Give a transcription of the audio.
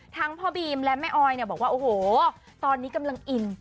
พ่อบีมและแม่ออยเนี่ยบอกว่าโอ้โหตอนนี้กำลังอิน